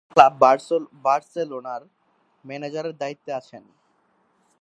তিনি বর্তমানে স্পেনীয় ক্লাব বার্সেলোনার ম্যানেজারের দায়িত্বে আছেন।